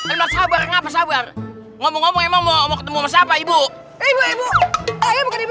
masjid enggak sabar ngapa sabar ngomong ngomong emang mau ketemu siapa ibu ibu ibu ayah bukan ibu